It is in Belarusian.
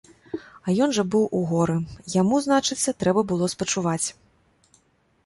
А ён жа быў у горы, яму, значыцца, трэба было спачуваць!